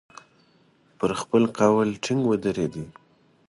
پر خپل قول ټینګ ودرېد.